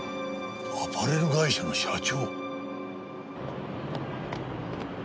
アパレル会社の社長。